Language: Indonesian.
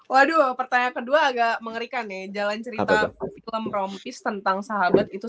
waduh pertanyaan kedua agak mengerikan ya jalan cerita film rompis tentang sahabat itu